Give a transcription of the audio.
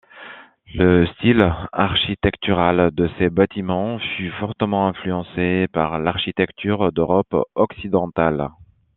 Le style architectural de ces bâtiments fut fortement influencé par l’architecture d'Europe occidentale.